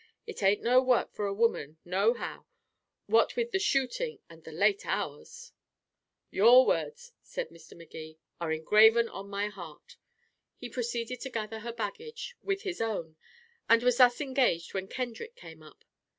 It ain't no work for a woman, no how, what with the shooting and the late hours." "Your words," said Mr. Magee, "are engraven on my heart." He proceeded to gather her baggage with his own, and was thus engaged when Kendrick came up.